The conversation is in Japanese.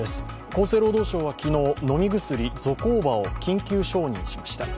厚生労働省は昨日飲み薬・ゾコーバを緊急承認しました。